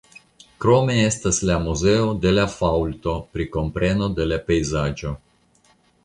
Krome estas la Muzeo de la Faŭlto pri kompreno de la pejzaĝo.